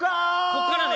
こっからね。